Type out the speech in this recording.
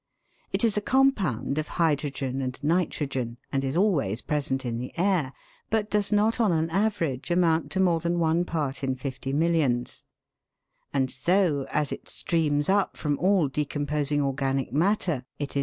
It is a compound of hydrogen and nitrogen, and is always present in the air, but does not on an average amount to more than one part in fifty millions ; and though, as it streams up from all decomposing organic matter, it is 174 THE WORLDS LUMBER ROOM.